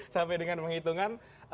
sampai dengan menghitungkan